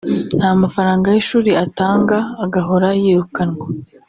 nta namafaranga y’ishuri atanga agahora yirukanwa